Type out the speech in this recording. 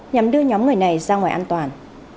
nhằm đưa nhóm người này ra ngoài an toàn